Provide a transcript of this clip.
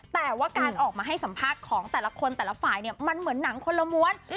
แต่ว่าการออกมาให้สัมภาษณ์ของแต่ละคนแต่ละฝ่ายเนี่ยมันเหมือนหนังคนละม้วน